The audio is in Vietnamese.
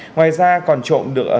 ngoài ra còn trộm được ở